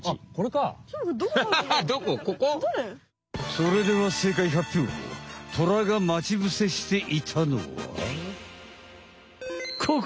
それではトラが待ち伏せしていたのはここ！